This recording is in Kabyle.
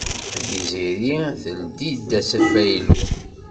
Tiziri teldi-d asfaylu.